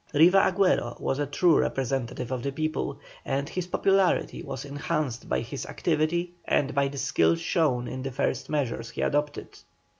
Riva Agüero was a true representative of the people, and his popularity was enhanced by his activity and by the skill shown in the first measures he adopted.